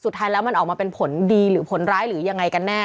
สุดท้ายแล้วมันออกมาเป็นผลดีหรือผลร้ายหรือยังไงกันแน่